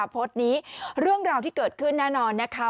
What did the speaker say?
โพสต์นี้เรื่องราวที่เกิดขึ้นแน่นอนนะคะ